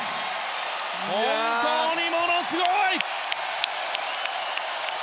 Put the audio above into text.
本当にものすごい！